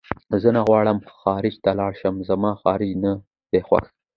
زه نه غواړم خارج ته لاړ شم زما خارج نه دی خوښ